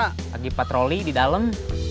lagi patroli di dalam